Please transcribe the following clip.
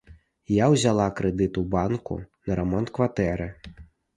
Я ўзяла крэдыт у банку на рамонт кватэры.